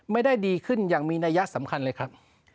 ไม่ได้ดีขึ้นอย่างมีนัยสำคัญเลยครับ